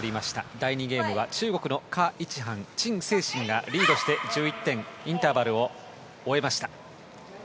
第２ゲームは中国のカ・イチハンチン・セイシンがリードして、１１点インターバルを終えました。